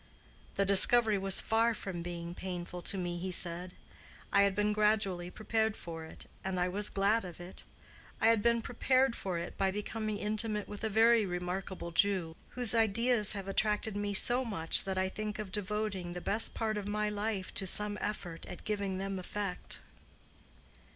"The discovery was far from being painful to me," he said, "I had been gradually prepared for it, and I was glad of it. I had been prepared for it by becoming intimate with a very remarkable Jew, whose ideas have attracted me so much that I think of devoting the best part of my life to some effort at giving them effect."